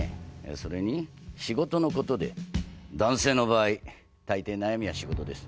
それに「仕事のことで」男性の場合大抵悩みは仕事です。